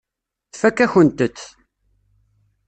Tfakk-akent-t.